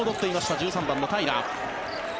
１３番の平良。